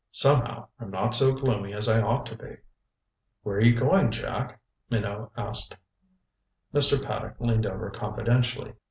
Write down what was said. Somehow, I'm not so gloomy as I ought to be." "Where are you going, Jack?" Minot asked. Mr. Paddock leaned over confidentially.